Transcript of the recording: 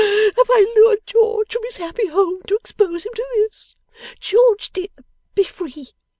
Have I lured George from his happy home to expose him to this! George, dear, be free!